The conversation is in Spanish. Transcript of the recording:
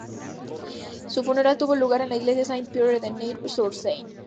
Su funeral tuvo lugar en la Iglesia Saint-Pierre de Neuilly-sur-Seine.